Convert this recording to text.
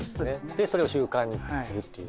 でそれを習慣にするっていう。